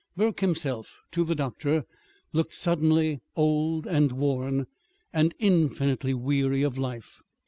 Burke himself, to the doctor, looked suddenly old and worn, and infinitely weary of life.